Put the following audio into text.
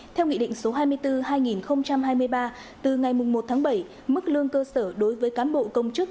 theo nghị định số hai mươi bốn hai nghìn hai mươi ba từ ngày một tháng bảy mức lương cơ sở đối với cán bộ công chức